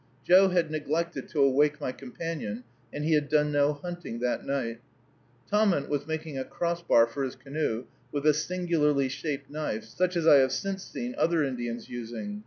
Joe had neglected to awake my companion, and he had done no hunting that night. Tahmunt was making a cross bar for his canoe with a singularly shaped knife, such as I have since seen other Indians using.